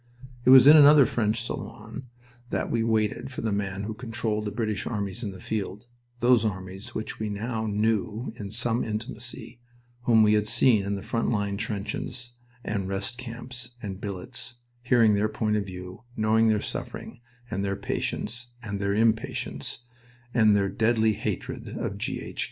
It was in another French salon that we waited for the man who controlled the British armies in the field those armies which we now knew in some intimacy, whom we had seen in the front line trenches and rest camps and billets, hearing their point of view, knowing their suffering and their patience, and their impatience and their deadly hatred of G. H.